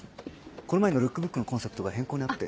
この前のルックブックのコンセプトが変更になって。